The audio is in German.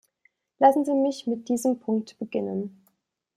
Lassen Sie mich mit diesem Punkt beginnen.